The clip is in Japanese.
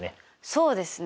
そうですね。